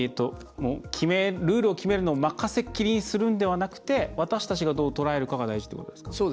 ルールを決めるのも任せきりにするのではなくて私たちがどう捉えるかが大事ってことですか？